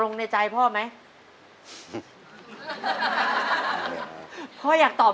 สวัสดีครับ